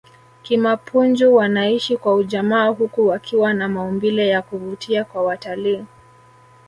kimapunju wanaishi kwa ujamaa huku wakiwa na maumbile ya kuvutia kwa watalii